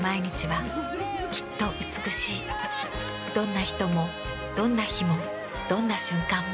どんな人もどんな日もどんな瞬間も。